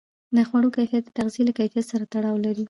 د خوړو کیفیت د تغذیې له کیفیت سره تړاو لري.